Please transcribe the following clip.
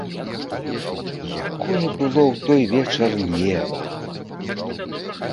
Якое было ў той вечар неба!